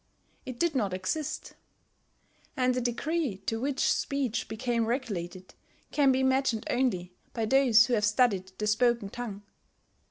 It did not exist; and the degree to which speech became regulated can be imagined only by those who have studied the spoken tongue.